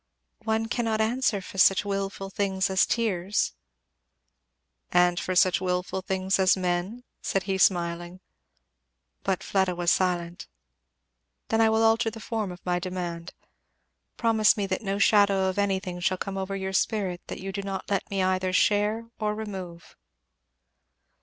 "One cannot answer for such wilful things as tears." "And for such wilful things as men?" said he smiling. But Fleda was silent. "Then I will alter the form of my demand. Promise me that no shadow of anything shall come over your spirit that you do not let me either share or remove."